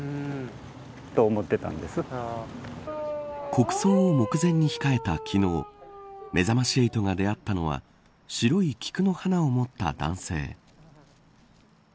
国葬を目前に控えた昨日めざまし８が出会ったのは白い菊の花を持った男性。